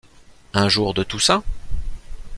un jour de Toussaint?